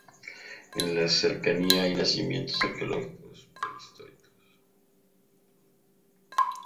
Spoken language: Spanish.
En las cercanías hay yacimientos arqueológicos prehistóricos.